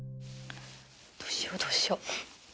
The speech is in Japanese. どうしようどうしよう。